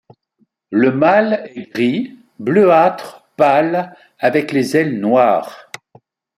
Le mâle est gris bleuâtre pâle avec les ailes noires.